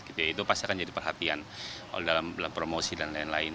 itu pasti akan jadi perhatian dalam promosi dan lain lain